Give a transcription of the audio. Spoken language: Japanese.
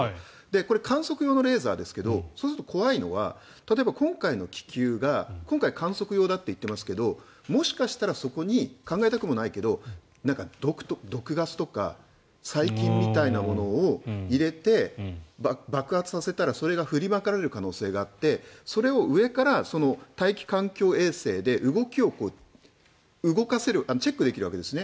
これ、観測用のレーザーですけどそうすると怖いのは例えば今回の気球が今回、観測用だと言っていますがもしかしたらそこに考えたくもないけど、毒ガスとか細菌みたいなものを入れて爆発させたらそれが振りまかれる可能性があってそれを上から大気環境衛星で動きをチェックできるわけですね。